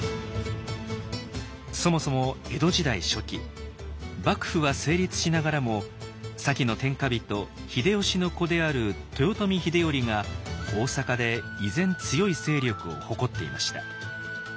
そもそも江戸時代初期幕府は成立しながらも先の天下人秀吉の子である豊臣秀頼が大坂で依然強い勢力を誇っていました。